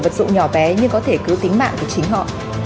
vật dụng nhỏ bé nhưng có thể cứu tính mạng của chính họ